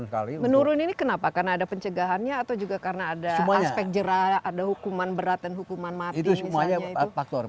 oh jadi menurun sekali menurun ini kenapa karena ada pencegahannya atau juga karena ada aspek jerah ada hukuman berat dan hukuman mati itu semuanya faktor pengaruh